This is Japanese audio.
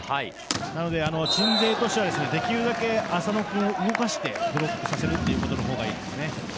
なので、鎮西としてはできるだけ麻野君を動かしてブロックさせるということがいいですね。